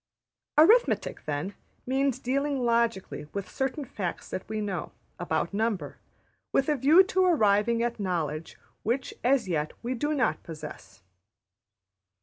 Arithmetic, then, means dealing logically with certain facts that we know, about number, with a view to arriving at knowledge which as yet we do not possess.